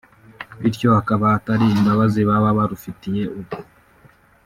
bityo akaba atari imbabazi baba barufitiye ubu